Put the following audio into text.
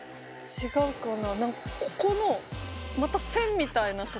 違うかな？